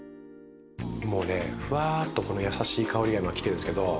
もうねふわっとこのやさしい香りが今きてるんですけど。